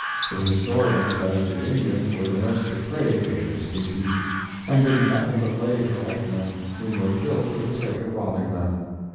The historian says the Indians were the most depraved of their species, and did nothing but lay for white men, whom they killed for the sake of robbing them.